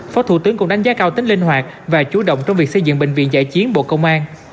phó thủ tướng cũng đánh giá cao tính linh hoạt và chủ động trong việc xây dựng bệnh viện giải chiến bộ công an